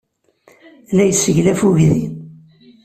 La yesseglaf uydi.